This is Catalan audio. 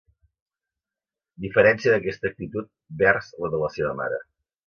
Diferència d’aquesta actitud vers la de la seva mare.